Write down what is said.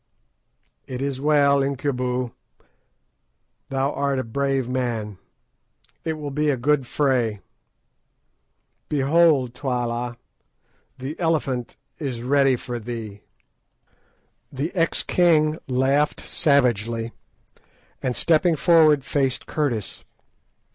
"It is well, Incubu; thou art a brave man. It will be a good fray. Behold, Twala, the Elephant is ready for thee." The ex king laughed savagely, and stepping forward faced Curtis.